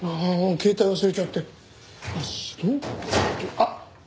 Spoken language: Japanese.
あっ！